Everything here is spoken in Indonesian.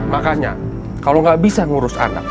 makanya kalau tidak bisa mengurus anak